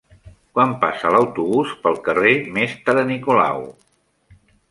Quan passa l'autobús pel carrer Mestre Nicolau?